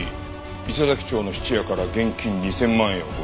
伊勢佐木町の質屋から現金２０００万円を強奪」